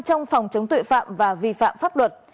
trong phòng chống tội phạm và vi phạm pháp luật